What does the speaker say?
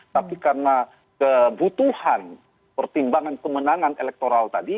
tapi karena kebutuhan pertimbangan kemenangan elektoral tadi